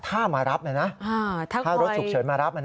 ถ้ามารับนะถ้ารถฉุกเฉินมารับ